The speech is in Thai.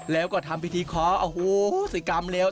แล้วก็ทำพิธีเคาอู้หู้วสิกำแล้ว